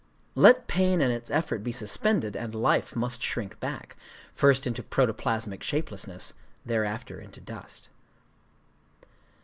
Let pain and its effort be suspended, and life must shrink back, first into protoplasmic shapelessness, thereafter into dust.